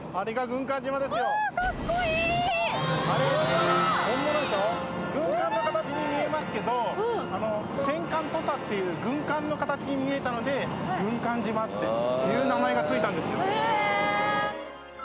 軍艦の形に見えますけど戦艦「土佐」っていう軍艦の形に見えたので軍艦島っていう名前が付いたんです。